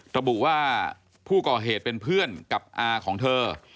ระบุว่าผู้ก่อเหตุเป็นเพื่อนกับอาของเธอ